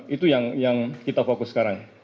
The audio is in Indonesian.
itu yang kita fokus sekarang